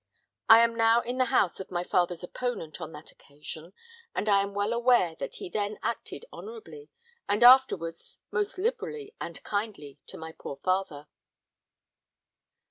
I am now in the house of my father's opponent on that occasion, and I am well aware that he then acted honourably, and afterwards most liberally and kindly to my poor father."